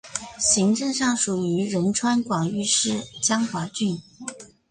行政上属于仁川广域市江华郡。